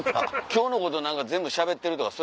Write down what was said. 今日のこと全部しゃべってるとか。